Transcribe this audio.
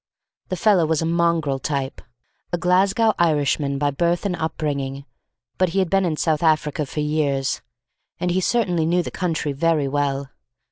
The fellow was a mongrel type, a Glasgow Irishman by birth and upbringing, but he had been in South Africa for years, and he certainly knew the country very well.